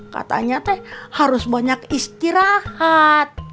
katanya teh harus banyak istirahat